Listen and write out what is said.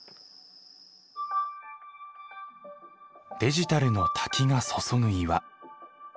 デジタルの滝が注ぐ岩。